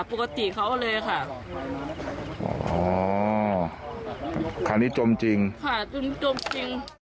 ปกติเขาเลยค่ะอ๋อคราวนี้จมจริงค่ะจมจมจริง